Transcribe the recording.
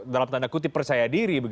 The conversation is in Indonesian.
dalam tanda kutip percaya diri